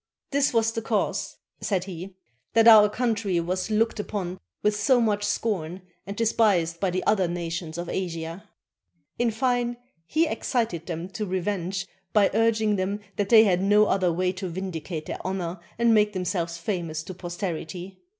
"This was the cause," said he, "that our country was looked upon with so much scorn, and despised by the other nations of Asia." In fine, he excited them to revenge by urging that they had no other way to vindicate their honor and make themselves famous to posterity.